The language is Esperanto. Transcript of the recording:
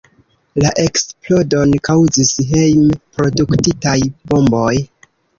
La eksplodon kaŭzis hejm-produktitaj bomboj.